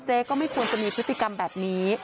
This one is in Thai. ก็ไม่ควรจะมีพฤติกรรมแบบนี้